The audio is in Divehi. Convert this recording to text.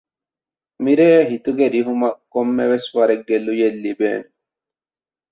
މިރޭ ހިތުގެ ރިހުމަށް ކޮންމެވެސް ވަރެއްގެ ލުޔެއް ލިބޭނެ